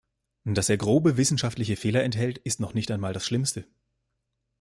Dass er grobe wissenschaftliche Fehler enthält, ist noch nicht einmal das Schlimmste.